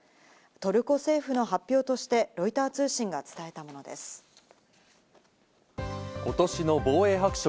トルコ政府の発表としてロイター通信が伝えたものです。